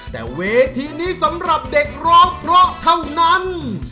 แต่เวทีนี้สำหรับเด็กร้องเพราะเท่านั้น